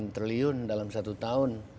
delapan puluh delapan triliun dalam satu tahun